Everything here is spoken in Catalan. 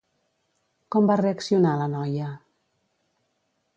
Com va reaccionar la noia?